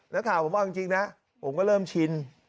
ถ้าถามผมว่าจริงนะผมก็เริ่มชิน